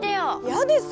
嫌ですよ！